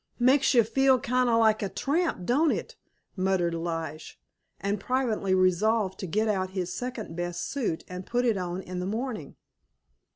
"Makes you feel kind of like a tramp, don't it?" muttered Lige, and privately resolved to get out his second best suit and put it on in the morning.